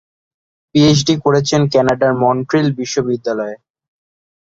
PhD করেছেন কানাডার Montreal বিশ্ববিদ্যালয়ে।